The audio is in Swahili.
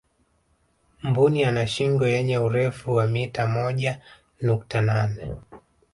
mbuni ana shingo yenye urefu wa mita moja nukta nane